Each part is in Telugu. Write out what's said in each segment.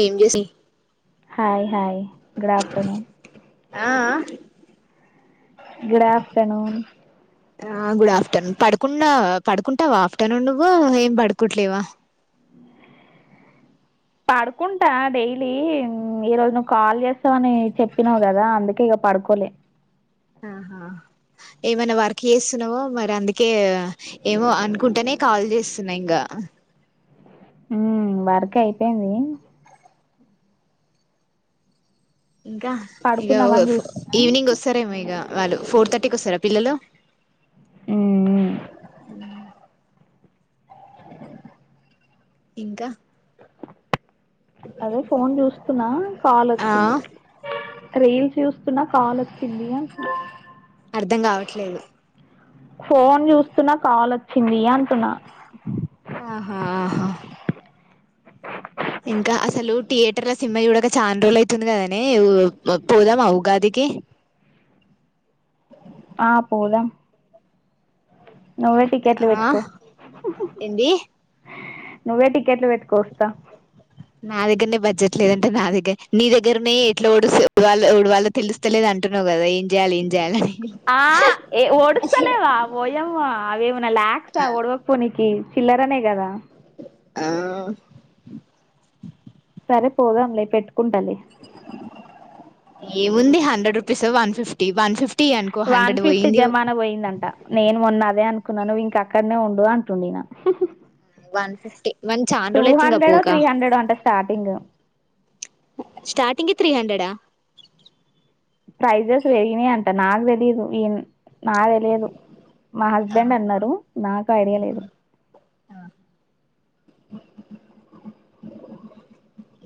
ఏం జేసి హాయ్ హాయ్ గుడ్ ఆఫ్టర్నూన్ ఆ ఆ గుడ్ ఆఫ్టర్నూన్ ఆ గుడ్ ఆఫ్టర్నూన్ పడుకున్నావా పడుకుంటావా ఆఫ్టర్నూన్ ఏం పడుకోట్లేవా పడుకుంటా డైలీ ఈరోజు నువ్వు కాల్ చేస్తావ్ అని చెప్పినావు కదా అందుకే ఇక పడుకోలే ఆహా ఏమైనా వర్క్ చేస్తున్నావో మరి అందుకే ఏమో అనుకుంటానే కాల్ చేస్తున్నా ఇంకా ఉ వర్క్ అయిపోయింది ఇంకా ఇక పడుకుందామని చూస్తున్నా ఈవినింగ్ వస్తారేమో ఇక వాళ్ళు ఫోర్ థ ర్టీ కోస్తారా పిల్లలు మ్మ్. ఇంకా అదే ఫోన్ చూస్తున్నా కాల్ ఆ వచ్చింది రీల్ చూస్తున్నా కాల్ వచ్చింది అంటున్నా అర్థం కావట్లేదు ఫోన్ చూస్తున్నా కాల్ వచ్చింది అంటున్నా ఆహా ఆహా ఇంకా అసలు థియేటర్ల సినిమా చూడక చాలా రోజు అవుతుంది కాదనే పోదామా ఉగాదికి అ ఆ పోదాం నువ్వే టికెట్లు ఆ పెట్టుకో ఏంది నువ్వే టిక్కెట్లు పెట్టుకో వస్తా నా దగ్గరనే బడ్జెట్ లేదంటే నా దగ్గర నీ దగ్గరనే ఎట్లా ఉడుస్తో ఉడవాళ్ళో తెలుస్తలేదంట అంటున్నావ్ కాదా ఏం చేయాలి ఏం చేయాలని ఆ ఏ ఒడుస్తలేవా ఓయామో అవేమనా ల్యాక్సా ఉడవకపోనీకి చిల్లరనే కదా ఆ సరే పోదాంలే పెట్టుకుంటాలే ఏముంది hundred rupees one fifty one fifty అనుకో వన్ హండ్రెడ్ ఫిఫ్టీ పోయింది జమానా పోయిందంట నేను మొన్న దే అనుకు కున్నా నువ్వు ఇంక అక్కడనే ఉండు అంటుడు ఇనా వన్ ఫిఫ్టీ వన్ చానా రోజులు అవుతుందో పోగా త్రీ హండ్రెడో అంట స్టార్టింగ్ స్టార్టింగ్ ఏ త్రీ హండ్రెడా ప్రైజెస్ పెరిగినాయి అంట నాకు తెలిదు ఈ నా తెలియదు మా హస్బెండ్ అన్నారు నాకు ఐడియా లేదు ఆ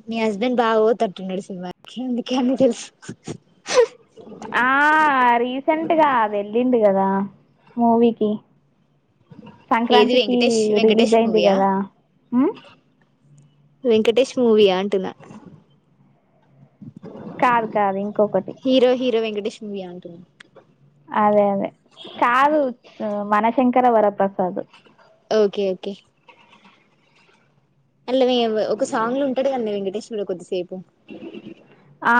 మీ హస్బెండ్ బాగా పోతట్టున్నాడు సినిమాకి అందుకే అన్న తెలుసు ఆ రీసెంట్గా అది వెళ్ళింది కదా మూవీకి ఏది సంక్రాంతికి వెంకటేష్ రిలీజ్ వెంకటేష్ అయింది మూవీయా కదా వెంకటేష్ మూవయా అంటున్నా కాదు కాదు ఇంకొకటి మియా అంటున్న అదే అదే కాదు మనశంకర వరప్రసాద్ ఓకే ఓకే అల మే ఒక సాంగ్ లో ఉంటాడు కద వెంకటేశ్వరి కొద్దిసేపు ఆ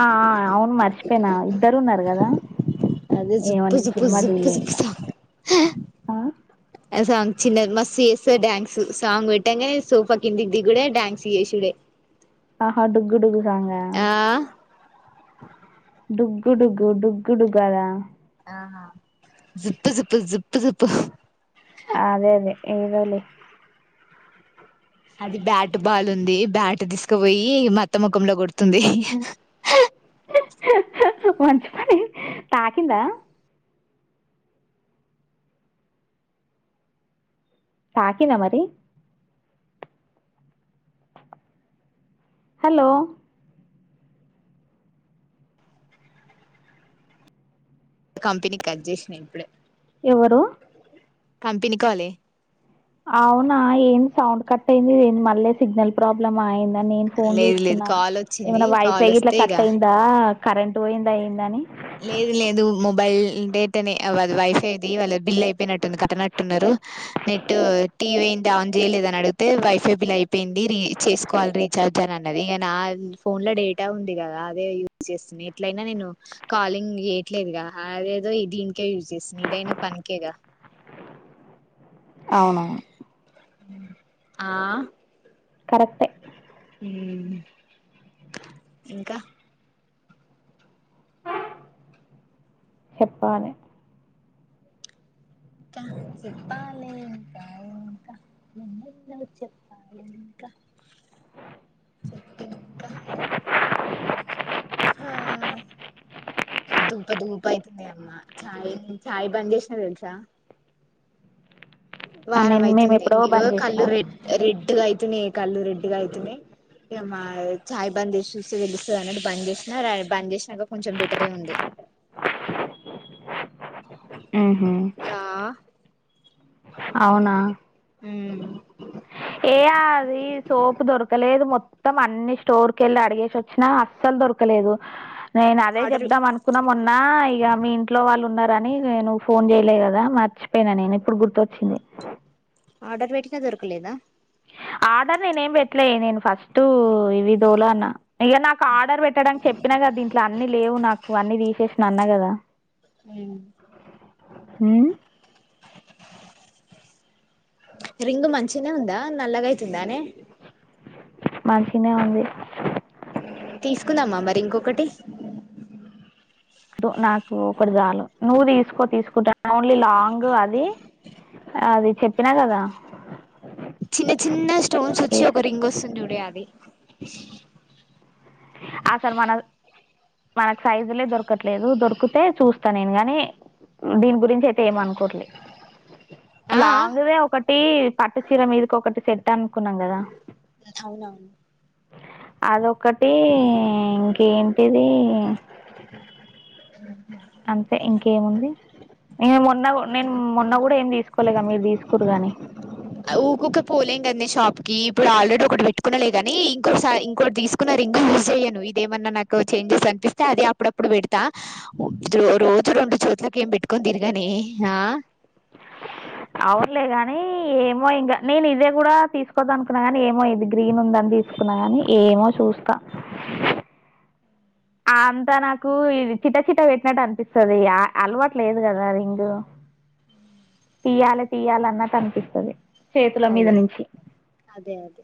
అవును మర్చిపోయినా ఇద్దరు ఉన్నారు కదా అదే ఏమో జూప్పు నేను జూప్పు సినిమా జుప్పు చూడలే ఇంకా సాంగ్ ఆ? ఆ సాంగ్ చిన్నది మస్ చేస్తా డ్యాన్స్ సాంగ్ పెట్టంగా సోఫా కిందికి దిగుడే డా్యాన్స్ చేసుడే ఆహా డుగు డుగు సాంగ ఆ డుగ్గు డుగ్గు డుగ్గు అదా ఆ జూప్పు జూప్పు జజూప్పు జూప్పు అదే అదే ఏదోలే అది బ్యాట్ బాల్ ఉంది బ్యాట్ తీసుకుపోయి మ అత్త ముఖంలో కొడుతుంది హ మంచి పని తాకిందా తాకిందా మరి హలో కంపెనీ కట్ చేసిన ఇప్పుడే ఎవరు కంపెనీ కాల్ ఏ అవునా ఏం సౌండ్ కట్ అయింది ఏ మళ్ళీ సిగ్నల్ ప్రాబ్లమ్ మా ఏంది నేను ఫోన్ లేదు లేదు చూస్తున్నా కాల్ వచ్చింది ఏమైన్నా కాల్ వైఫై ఇట్లా వస్తే ఇక కట్ అయిందా కరెంట్ పోయిందా ఏందని లేదు లేదు మొబైల్ డేటా నే వా వైఫైది వాళ్ళ బిల్ అయిపోయినట్టుంది కట్టనట్టున్నారు నెట్ టీవీ ఏంటి ఆన్ చేయలేదని అడిగితే వైఫై బిల్ అయిపోయింది రీ చేసుకోవాలి రే చార్జాన్ అన్నది ఇక నా ఫోన్ లో డేటా ఉంది కదా అదే యూజ్ చేస్తున్నా ఎట్లయినా నేను కాలింగ్ యట్లేదుగా అదేదో ఇది ఇంకే యూజ్ చేస్తుంది ఇదైనా పనికేగా అవునవును ఆ కరెక్టే ఉ ఇంకా చెప్పలె ఇంకా చెప్పాలి ఇంకా ఇంకా ఎన్నెన్నో చెప్పాలి ఇంకా చక్కెర హా దుంప ధూప అవుతుంది అమ్మా చా్ చఛా్ బంద్ చేసినా తెలుసా ఆ, వారం నేను మేము అయితుంది ఎప్పుడో ఇగో బంద్ కళ్ళు చేసినాం రెడ్ రెడ్గా అయితున్నాయి కళ్ళు రెడ్గా అయితున్నాయి ఇగ మా చాయ్ బంద్ చేసి చూసితే తెలుస్తాది అన్నట్టు బంద్ చేసినా బంద్ చేసినాక కొంచెం బెటరే ఉంది ఉహు ఉ ఏయా అది సోపు దొరకలేదు మొత్తం అన్ని స్టోర్ కి వెళ్ళి అడిగేసి వచ్చినా అస్సలు దొకలేదు నేను అదే ఆర్డర్ చెదాం అనుకున్నా మొన్న ఇగ మీ ఇంట్లో వాళ్ళు ఉన్నారు కాని నేను ఫోన్ చేయలే కదా మర్చిపోయినా నేను ఇప్పుడు గుర్తొచ్చింది ఆర్డర్ పెట్టిన దొరకలేదా ఆర్డర్ నేనే ఏం పెట్టలే నేను ఫస్ట్ ఇ విధోలో అన్న ఇక నాకు ఆర్డర్ పెట్టడానికి చెప్పినా కదా దీంట్లో అన్ని లేవు నాకు అన్ని తీసేసిన అన్నా కదా ఉ ఉమ్, రింగు మంచిగానే ఉందా నల్లగైతుందానే మంచిగానే ఉంది తీసుకుందామా మరి ఇంకొకటి నాకు ఒకటి జాలం నువ్వు తీసుకో తీసుకుంటా ఓన్లీ లాంగ్ అది అది చెప్పినా కదా చిన్న చిన్న స్టోన్స్ వచ్చి ఏ ఒక రింగ్ వస్తుందిూడి అది అసలు మన మనకు సైజులే దొరకట్లేదు దొరికితే చూస్తా నేను గాని దీని గురిం చి అయతే ఏం అనుకోవట్లే ఆ లాంగ్దే ఒక టి పట్ట చీర మీదకి ఒకటి సెట్ అనుకున్నాం కదా అవునా అదొక్కటి ఇంకేంటిది అ అంతే ఇంకేముంది న మొన్న నేను మొన్న కూడా ఏమి తీసుకోలేగా మీరు తీస్ కురుగని ఊకొక పోలేం కదీ షాప్కి ఇప్పుడు ఆల్రెడీ ఒకటి పెట్టుకునలే గాని ఇంకోకసారి ఇంకోటి తీసుకున్నా ఇంకా యూస్ చేయను నక్ ఏమాయన చేంజెస్ అనిపిస్తే అ అప్పుప్పుడు పెడా రోజు రండు చోట్లకి ఏం పెట్టుకొని తిరగాని ఆ అవునులే గాని ఏమో ఇంకా నేను ఇదే కూడా తీసుకోదా అనుకున్నా గాని ఏమో ఇది గ్రీన్ ఉంద తీసుకున్నా కాని ఏమో చూస్తా అంతా నాకు చిట్టా చిట్టా పెట్టినట్టు అనిపిస్తుంది అలవాటు లేదు కదా రింగు తీయాలి తీయాలి అన్నట్ అనిపిస్తుంది చేతుల మీద అదే నుంచి అదే అదే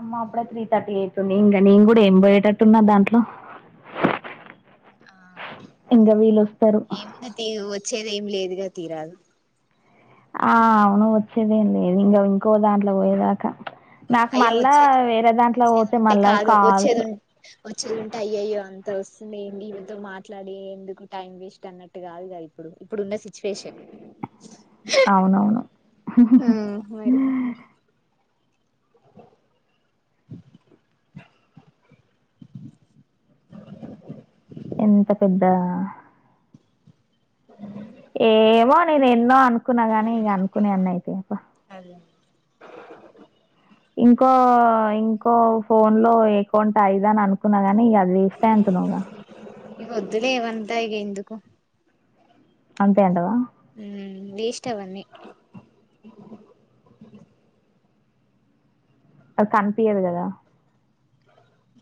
అమ్మా అప్పుడే త్రీ థర్టీ ఎయిట్ ఉంది ఇంకా నేను కూడా ఏం పోయేటట్టున్నా దాంట్లో ఇంకా వీళ్ళు వస్తారు ఏముంది తీ వచ్చేది ఏమి లేదుగా తీరాదు ఆ అవును వచ్చేదేం లేదు ఇంకా ఇంకో దాంట్లో పోయేదాకా నాకు అయ్యో మళ్ళా వచ్చే వేరే దాంట్లో వచ్చేది పోతే ఉంటే మళ్ళా కాదు కాల్స్ వచ్చేది ఉన్ వచ్చేది ఉంటే అయ్యయ్యో అ వస్తుంది ఏంటి వీటితో మాట్లాడి ఎందుకు టైం వేస్ట్ అన్నట్టు కాదుగా ఇప్పుడు ఇప్పుడున్న సిచ్యువేషన్ అవునవును హు ఆ హు మరి ఎంత పెద్ద అ ఏమో నేను ఎన్నో అనుకున్నా గాని ఇక అనుకునే అన్న అయితేప్ప ఇంకో ఇంకో ఫోన్ లో అకౌంట్ అఐదా అని అనుకున్నా గాని ఇక వేస్ట్ అంటున్నవ్గా ఇవి వద్దులే ఏవంతా ఇగ ఇందుకు అంతేంటవా ఉ వేస్ట్ అవ అని అ కన్పియదు కదా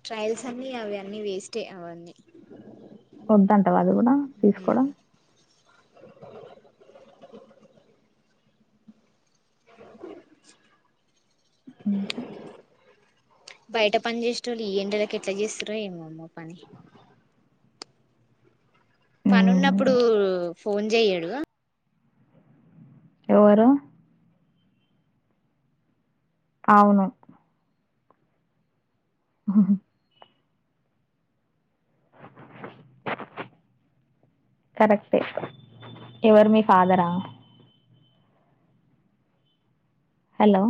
ట్రయల్స్ అన్ని అవి అన్నీ వేస్ట్ ఏ అవన్నీ వద్దంటావా అది కూడా తీసుకోవడం ఉక బయట పని చేసేటోళ్లు ఈ ఎండలకి ఎట్లా చేస్తారో ఏమమ్మో పని పని ఉన్నప్పుడు హ్మ్. ఫోన్ చెయ్యడు ఎవరు ఔను ఆహహ అ కరెక్టే ఎవరు మీ ఫాదరా హలో